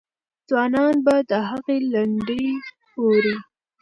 ځوانان به د هغې لنډۍ اوري.